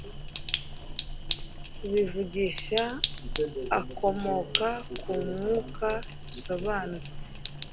tubivugisha akomoka ku Mwuka dusobanuza